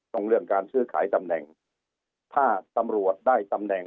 ตรงเรื่องการซื้อขายตำแหน่ง